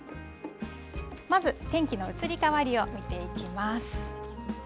まず天気の移り変わりを見ていきます。